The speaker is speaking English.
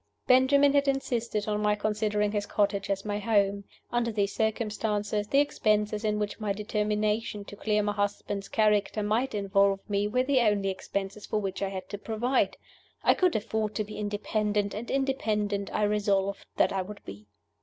Benjamin had insisted on my considering his cottage as my home. Under these circumstances, the expenses in which my determination to clear my husband's character might involve me were the only expenses for which I had to provide. I could afford to be independent, and independent I resolved that I would be.